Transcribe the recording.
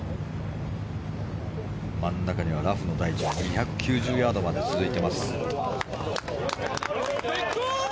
真ん中にはラフの台地が２９０ヤードまで続いています。